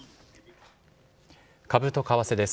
株と為替です。